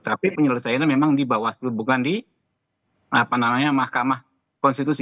tapi penyelesaiannya memang dibawah sebelumnya di apa namanya mahkamah konstitusi